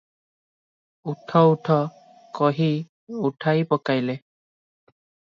ଉଠ ଉଠ, କହି ଉଠାଇ ପକାଇଲେ ।